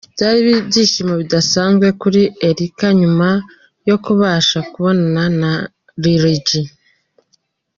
Byari ibyishimo bidasanzwe kuri Erica nyuma yo kubasha kubonana na Lil G.